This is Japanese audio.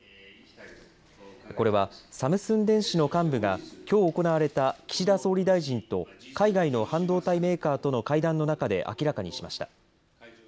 これはサムスン電子の幹部がきょう行われた岸田総理大臣と海外の半導体メーカーとの会談の中で明らかにしました。